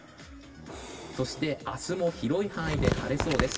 そして明日も広い範囲で晴れそうです。